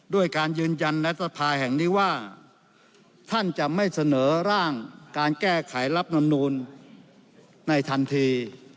ด้วยการยืนยันรัฐสภาแห่งนี้ว่าท่านจะไม่เสนอร่างการแก้ไขรับนูลในทันที